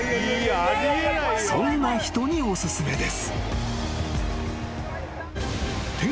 ［そんな人にお薦めです］